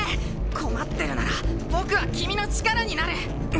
困ってるなら僕は君の力になる！